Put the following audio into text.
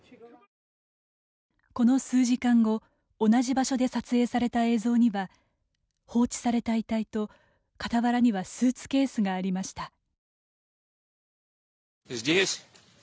この数時間後同じ場所で撮影された映像には放置された遺体と傍らにはスーツケースがありました。